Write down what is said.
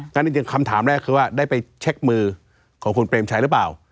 จริงคำถามแรกคือว่าได้ไปเช็คมือของคุณเปรมชัยหรือเปล่า